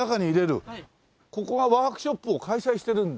ここはワークショップを開催してるんだ。